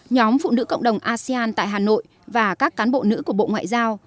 nhóm phụ nữ cộng đồng asean tại hà nội và các cán bộ nữ của bộ ngoại giao